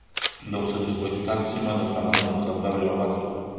د اوسني ازبکستان سیمه د سامانیانو قلمرو یوه برخه وه.